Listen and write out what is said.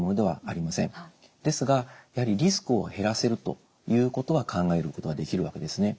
ですがやはりリスクを減らせるということは考えることができるわけですね。